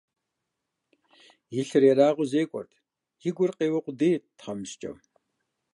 И лъыр ерагъыу зекӀуэрт, и гур къеуэ къудейт тхьэмыщкӀэм.